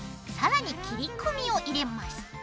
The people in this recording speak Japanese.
更に切り込みを入れます。